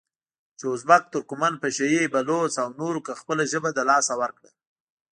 چې ازبک، ترکمن، پشه یي، بلوڅ او نورو که خپله ژبه د لاسه ورکړه،